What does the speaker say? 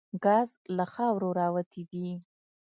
ګاز له خاورو راوتي دي.